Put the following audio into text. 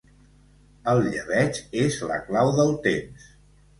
El llebeig és la clau del temps.